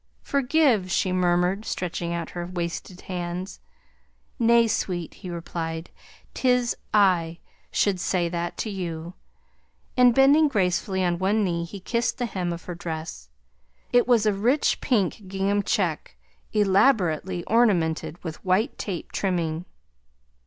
"Forgive," she mermered, stretching out her waisted hands. "Nay, sweet," he replied. "'Tis I should say that to you," and bending gracefully on one knee he kissed the hem of her dress. It was a rich pink gingham check, ellaborately ornamented with white tape trimming.